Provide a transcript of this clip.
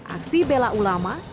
aksi bela ulama